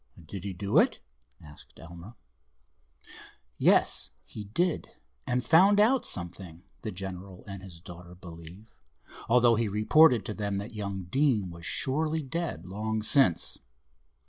"Did he do it?" asked Elmer. "Yes, he did, and found out something, the general and his daughter believe, although he reported to them that young Deane was surely dead long since.